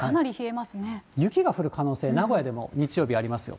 雪が降る可能性、名古屋でも日曜日ありますよ。